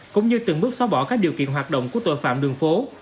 cũng như từng bước xóa bỏ các điều kiện hoạt động của tội phạm đường phố